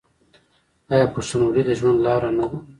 آیا پښتونولي د ژوند لاره نه ده؟